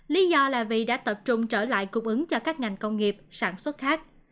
lý do là vì đã tập trung trở lại cung ứng cho các ngành công nghiệp sản xuất khác